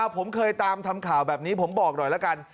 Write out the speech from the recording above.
ผมเคยตามทำข่าวแบบนี้ผมบอกหน่อยละกัน